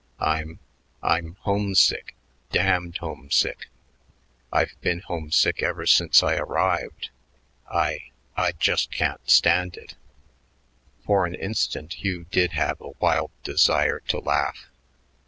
"I'm I'm homesick, damned homesick. I've been homesick ever since I arrived. I I just can't stand it." For an instant Hugh did have a wild desire to laugh.